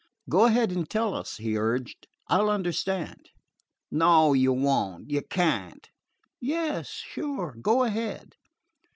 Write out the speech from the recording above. "Go ahead and tell us," he urged. "I 'll understand." "No, you won't. You can't." "Yes, sure. Go ahead."